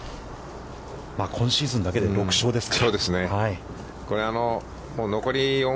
今シーズンだけで６勝ですか。